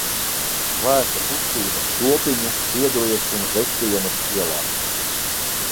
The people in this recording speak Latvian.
Slēgta kustība Stopiņu, Piedrujas un Vestienas ielā.